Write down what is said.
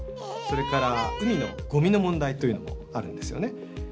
それから海のゴミの問題というのもあるんですよね。